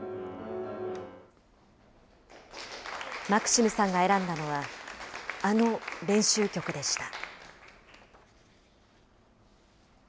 マクシムさんが選んだのは、あの練習曲でした。